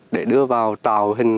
để đưa vào tàu hình